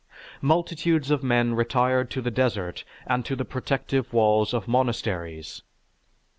Multitudes of men retired to the desert and to the protective walls of monasteries.